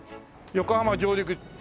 横浜上陸。